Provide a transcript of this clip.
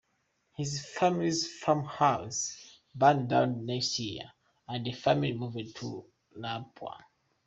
His family's farmhouse burnt down the next year, and the family moved to Lapua.